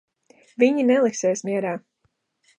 Viņi neliksies mierā.